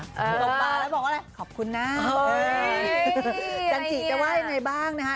มาแล้วบอกอะไรขอบคุณน่ะโอ้ยจันจิจะไหว้ในบ้างนะฮะ